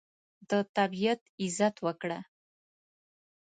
د طبیعت عزت وکړه.